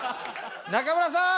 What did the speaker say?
中村さん。